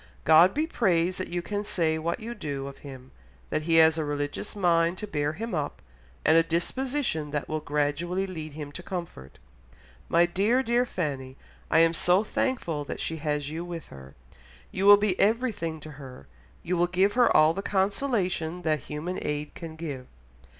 God be praised that you can say what you do of him, that he has a religious mind to bear him up and a disposition that will gradually lead him to comfort. My dear, dear Fanny, I am so thankful that she has you with her! You will be everything to her; you will give her all the consolation that human aid can give.